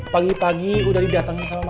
pagi pagi sudah didateng kepada masalah